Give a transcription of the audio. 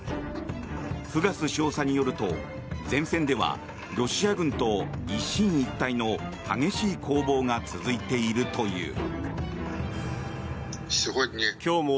フガス少佐によると前線ではロシア軍と一進一退の激しい攻防が続いているという。